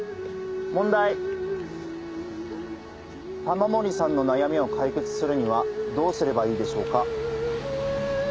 玉森さんの悩みを解決するにはどうすればいいでしょうか？